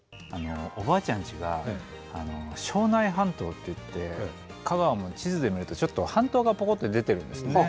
おばあちゃんちが荘内半島っていって香川も地図で見るとちょっと半島がぽこって出てるんですね。